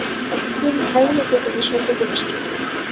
তিন ভাইয়ের মধ্যে তিনি সর্বকনিষ্ঠ।